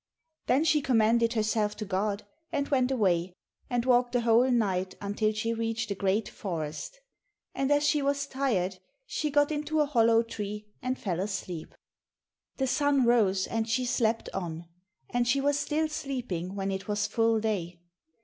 Then she commended herself to God, and went away, and walked the whole night until she reached a great forest. And as she was tired, she got into a hollow tree, and fell asleep. The sun rose, and she slept on, and she was still sleeping when it was full day.